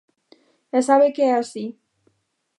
E sabe que é así.